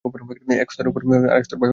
এক স্তরের উপর আর এক স্তর বায়ু স্থাপিত।